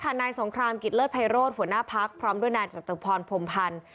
นายสงครามกิจเลิศไพโรธหัวหน้าพักพร้อมด้วยนายจตุพรพรมพันธ์